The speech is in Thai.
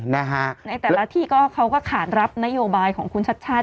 ในแต่ละที่ก็เขาก็ขาดรับนโยบายของคุณชัดชาติ